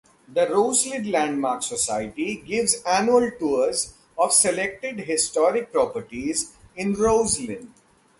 The Roslyn Landmark Society gives annual tours of selected historic properties in Roslyn.